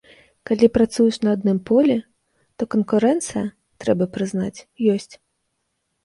Калі працуеш на адным полі, то канкурэнцыя, трэба прызнаць, ёсць.